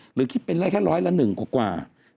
หรือคิดเป็นแรกแค่ร้อยละหนึ่งกว่า